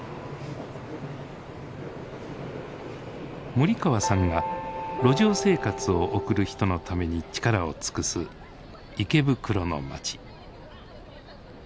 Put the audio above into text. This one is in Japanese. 森川さんが路上生活を送る人のために力を尽くす池袋の街。